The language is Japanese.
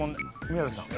宮崎さん。